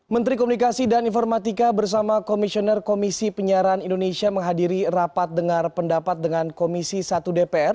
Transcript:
menteri komunikasi dan informatika bersama komisioner komisi penyiaran indonesia menghadiri rapat dengar pendapat dengan komisi satu dpr